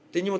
thế nhưng mà